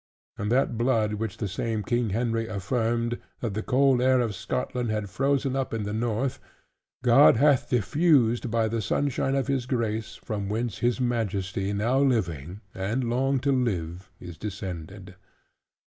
And that blood which the same King Henry affirmed, that the cold air of Scotland had frozen up in the North, God hath diffused by the sunshine of his grace: from whence his Majesty now living, and long to live, is descended.